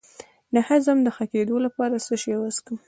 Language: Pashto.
د هضم د ښه کیدو لپاره څه شی وڅښم؟